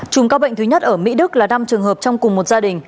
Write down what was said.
trùng cao bệnh thứ nhất ở mỹ đức là năm trường hợp trong cùng một gia đình